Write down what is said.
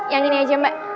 yang ini aja mbak